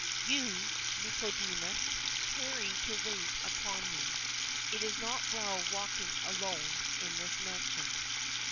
—You, Nicodemus, tarry to wait upon me—it is not well walking alone in this mansion."